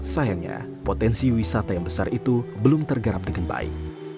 sayangnya potensi wisata yang besar itu belum tergarap dengan baik